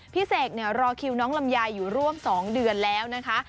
เสกรอคิวน้องลำไยอยู่ร่วม๒เดือนแล้วนะคะ